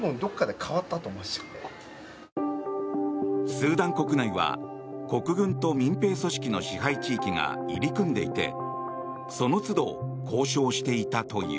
スーダン国内は国軍と民兵組織の支配地域が入り組んでいてそのつど交渉していたという。